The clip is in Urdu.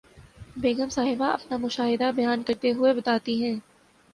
بیگم صاحبہ اپنا مشاہدہ بیان کرتے ہوئے بتاتی ہیں